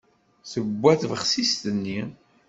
Tewwa tbexsist-nni.